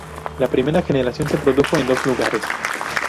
La primera generación se produjo en dos lugares.